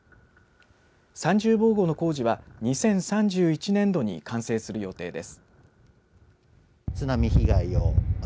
三重防護の工事は２０３１年度に完成する予定です。